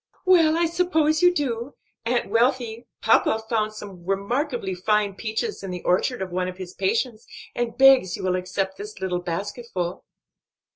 "Well, I suppose you do. Aunt Wealthy, papa found some remarkably fine peaches in the orchard of one of his patients, and begs you will accept this little basketful."